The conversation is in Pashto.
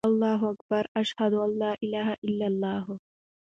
اللهاکبر، اشهدان الاله االاهلل